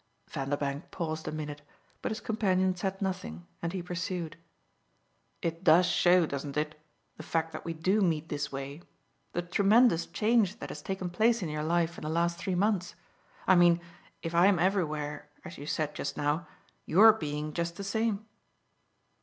'" Vanderbank paused a minute, but his companion said nothing, and he pursued. "It does show, doesn't it? the fact that we do meet this way the tremendous change that has taken place in your life in the last three months. I mean, if I'm everywhere as you said just now, your being just the same."